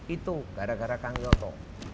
itu gara gara kang yoto